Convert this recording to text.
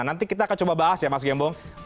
nanti kita akan coba bahas ya mas gembong